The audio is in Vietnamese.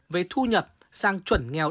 về thu nhập sang chuẩn nghèo